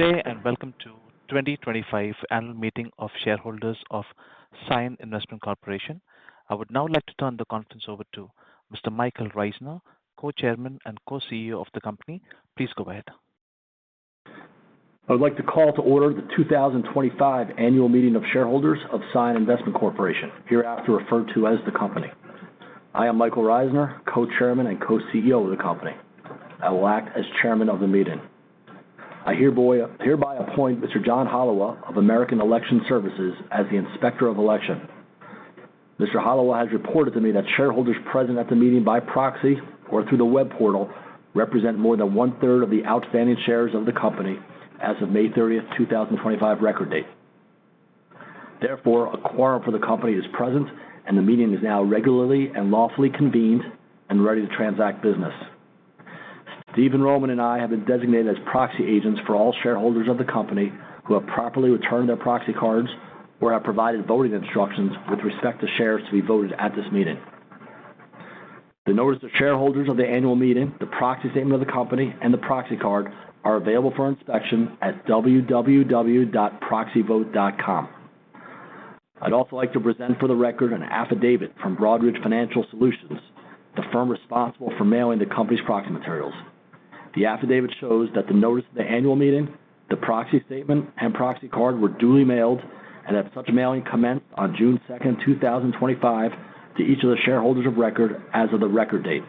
Today, and welcome to the 2025 Annual Meeting of Shareholders of CION Investment Corporation. I would now like to turn the conference over to Mr. Michael Reisner, Co-Chairman and Co-CEO of the company. Please go ahead. I would like to call to order the 2025 Annual Meeting of Shareholders of CION Investment Corporation, hereafter referred to as the company. I am Michael Reisner, Co-Chairman and Co-CEO of the company. I will act as Chairman of the meeting. I hereby appoint Mr. John Holewa of American Election Services as the Inspector of Election. Mr. Holewa has reported to me that shareholders present at the meeting by proxy or through the web portal represent more than 1/3 of the outstanding shares of the company as of May 30th, 2025, record date. Therefore, a quorum for the company is present, and the meeting is now regularly and lawfully convened and ready to transact business. Stephen Roman and I have been designated as proxy agents for all shareholders of the company who have properly returned their proxy cards or have provided voting instructions with respect to shares to be voted at this meeting. The notice of shareholders of the annual meeting, the proxy statement of the company, and the proxy card are available for inspection at www.proxyvotes.com. I'd also like to present for the record an affidavit from Broadridge Financial Solutions, the firm responsible for mailing the company's proxy materials. The affidavit shows that the notice of the annual meeting, the proxy statement, and proxy card were duly mailed and that such mailing commenced on June 2nd, 2025, to each of the shareholders of record as of the record date.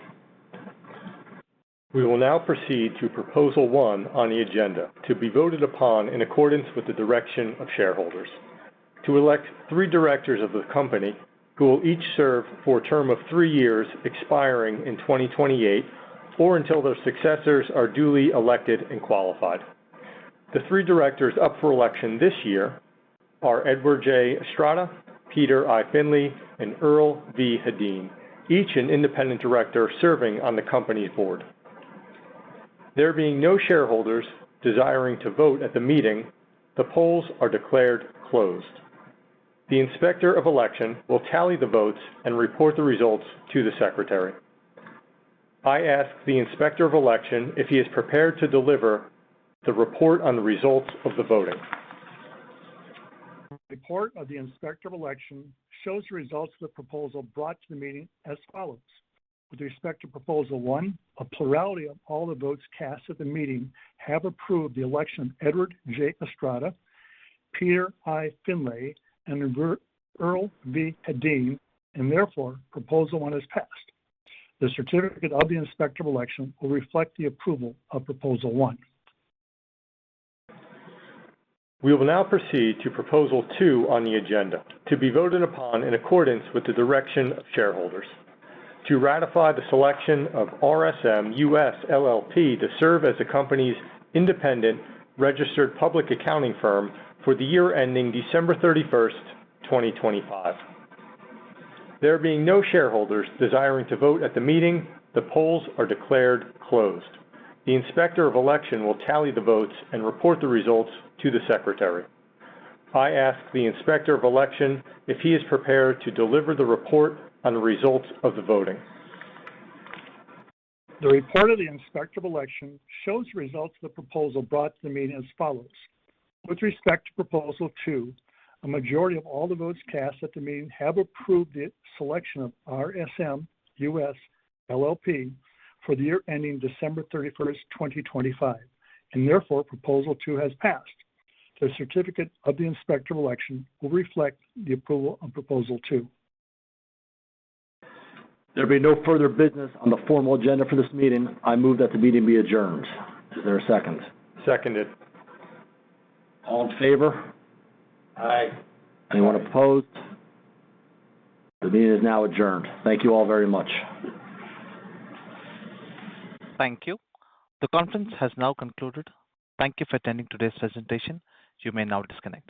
We will now proceed to Proposal 1 on the agenda, to be voted upon in accordance with the direction of shareholders. To elect three directors of the company who will each serve for a term of three years expiring in 2028 or until their successors are duly elected and qualified. The three directors up for election this year are Edward J. Estrada, Peter I. Finlay, and Earl V. Hedeen, each an independent director serving on the company board. There being no shareholders desiring to vote at the meeting, the polls are declared closed. The Inspector of Election will tally the votes and report the results to the Secretary. I ask the Inspector of Election if he is prepared to deliver the report on the results of the voting. The report of the Inspector of Election shows the results of the proposal brought to the meeting as follows. With respect to Proposal 1, a plurality of all the votes cast at the meeting have approved the election of Edward J. Estrada, Peter I. Finlay, and Earl V. Hedin, and therefore, Proposal 1 is passed. The certificate of the Inspector of Election will reflect the approval of Proposal 1. We will now proceed to Proposal 2 on the agenda, to be voted upon in accordance with the direction of shareholders. To ratify the selection of RSM U.S. LLP to serve as the company's independent registered public accounting firm for the year ending December 31st, 2025. There being no shareholders desiring to vote at the meeting, the polls are declared closed. The Inspector of Election will tally the votes and report the results to the Secretary. I ask the Inspector of Election if he is prepared to deliver the report on the results of the voting. The report of the Inspector of Election shows the results of the proposal brought to the meeting as follows. With respect to Proposal 2, a majority of all the votes cast at the meeting have approved the selection of RSM U.S. LLP for the year ending December 31st, 2025, and therefore, Proposal 2 has passed. The certificate of the Inspector of Election will reflect the approval of Proposal 2. There being no further business on the formal agenda for this meeting, I move that the meeting be adjourned. Is there a second? Seconded. All in favor? Aye. Anyone opposed? The meeting is now adjourned. Thank you all very much. Thank you. The conference has now concluded. Thank you for attending today's presentation. You may now disconnect.